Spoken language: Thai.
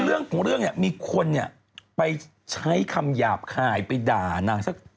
คือเรื่องนี้มีคนไปใช้คำหยาบคายไปด่านางสัก